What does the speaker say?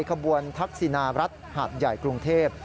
ขบวนทักษินารัฐหาดใหญ่กรุงเทพ